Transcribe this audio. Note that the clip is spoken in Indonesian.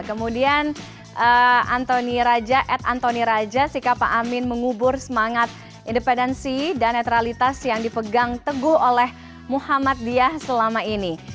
kemudian antoni raja at antoni raja sikap pak amin mengubur semangat independensi dan netralitas yang dipegang teguh oleh muhammadiyah selama ini